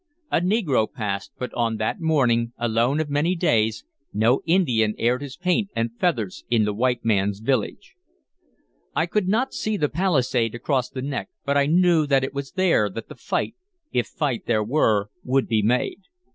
A negro passed, but on that morning, alone of many days, no Indian aired his paint and feathers in the white man's village. I could not see the palisade across the neck, but I knew that it was there that the fight if fight there were would be made.